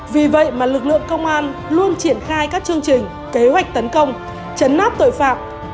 vì vậy mà lực lượng công an luôn triển khai các chương trình kế hoạch tấn công chấn áp tội phạm